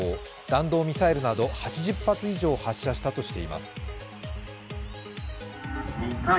弾道ミサイルなど８０発以上発射したとしています。